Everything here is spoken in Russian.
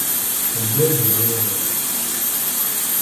Тамбов — зелёный город